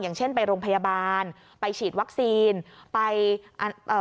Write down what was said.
อย่างเช่นไปโรงพยาบาลไปฉีดวัคซีนไปเอ่อ